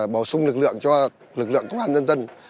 bổ sung lực lượng cho lực lượng công an nhân dân